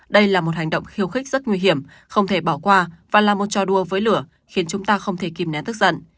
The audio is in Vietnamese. đây là một hành động khiêu khích rất nguy hiểm không thể bỏ qua và là một trò đua với lửa khiến chúng ta không thể kìm nén tức giận